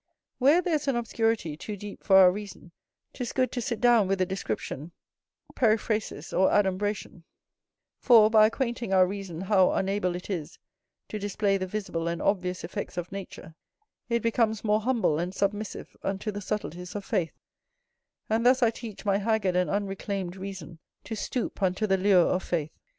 Where there is an obscurity too deep for our reason, 'tis good to sit down with a description, periphrasis, or adumbration; for, by acquainting our reason how unable it is to display the visible and obvious effects of nature, it becomes more humble and submissive unto the subtleties of faith: and thus I teach my haggard and unreclaimed reason to stoop unto the lure of faith.